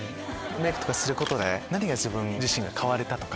メイクとかすることで何が自分自身変われたとか。